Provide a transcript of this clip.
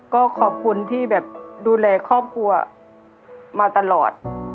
ก็ขอบคุณที่แบบดูแลครอบครัวมาตลอด